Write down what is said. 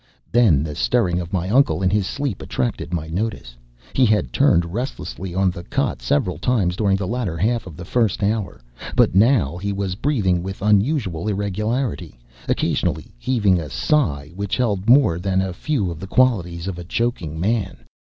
Then the stirring of my uncle in his sleep attracted my notice. He had turned restlessly on the cot several times during the latter half of the first hour, but now he was breathing with unusual irregularity, occasionally heaving a sigh which held more than a few of the qualities of a choking moan.